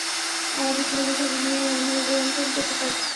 আমাদের ছেলেদের সাথে নিয়ে আমি ওদের অনুসরণ করছি, স্যার।